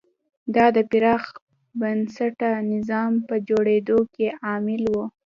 دا د پراخ بنسټه نظام په جوړېدو کې عامل و.